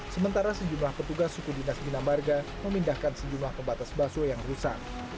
sementara sejumlah petugas suku dinas binabarga memindahkan sejumlah pembatas basuh yang rusak